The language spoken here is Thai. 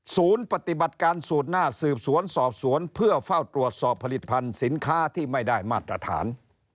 ศูนย์ปฏิบัติการสูตรหน้าสืบสวนสอบสวนเพื่อเฝ้าตรวจสอบผลิตภัณฑ์สินค้าที่ไม่ได้มาตรฐาน